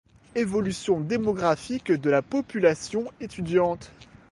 Évolution démographique de la population étudiante.